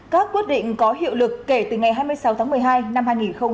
các quyết định có hiệu lực kể từ ngày hai mươi sáu tháng một mươi hai năm hai nghìn một mươi chín